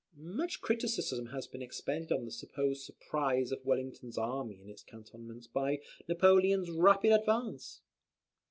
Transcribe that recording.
Much criticism has been expended on the supposed surprise of Wellington's army in its cantonments by Napoleon's rapid advance.